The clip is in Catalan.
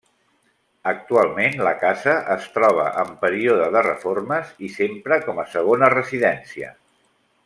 Actualment la casa es troba en període de reformes i s'empra com a segona residència.